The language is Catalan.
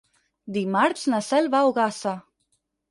Dimarts na Cel va a Ogassa.